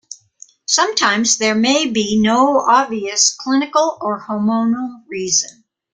Sometimes there may be no obvious clinical or hormonal reason.